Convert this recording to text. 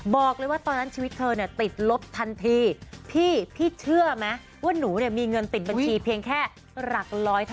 บอกเลยว่าตอนนั้นชีวิตเธอเนี่ยติดลบทันทีพี่พี่เชื่อไหมว่าหนูเนี่ยมีเงินติดบัญชีเพียงแค่หลักร้อยเท่า